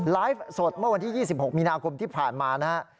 ไลฟ์สดเมื่อวันที่๒๖มีนาคมที่ผ่านมานะฮะ